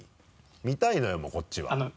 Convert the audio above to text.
見たいのよもうこっちは。